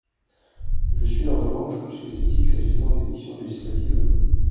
Je suis, en revanche, plus que sceptique s’agissant des missions législatives.